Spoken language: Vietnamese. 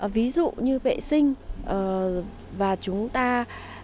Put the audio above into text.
ví dụ như vệ sinh và chúng ta tạo ra một bảo tàng thông tin nhỏ nhỏ